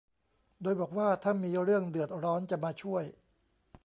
โดยบอกว่าถ้ามีเรื่องเดือดร้อนจะมาช่วย